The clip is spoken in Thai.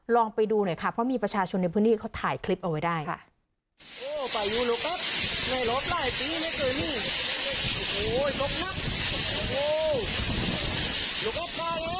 ลองไปดูหน่อยค่ะเพราะมีประชาชนในพื้นที่เขาถ่ายคลิปเอาไว้ได้ค่ะ